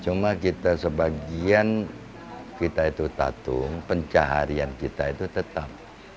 cuma kita sebagian kita itu tatung pencaharian kita itu tetap